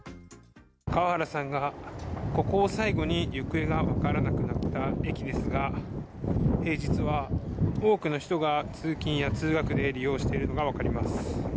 川原さんがここを最後に行方が分からなくなった駅ですが平日は多くの人が通勤や通学で利用しているのが分かります。